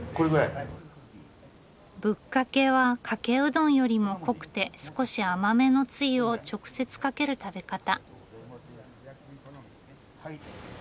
ぶっかけはかけうどんよりも濃くて少し甘めのつゆを直接かける食べ方。